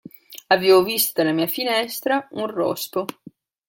Avevo visto dalla mia finestra un rospo.